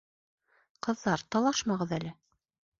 Ҡыҙҙар, талашмағыҙ әле!